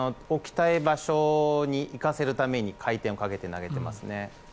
置きたい場所に行かせるために回転をかけて投げてますね。